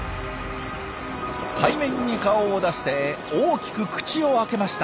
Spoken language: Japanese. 海面に顔を出して大きく口を開けました。